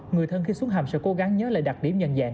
người thân khi xuống hầm sẽ cố gắng nhớ lại đặc điểm nhận dạng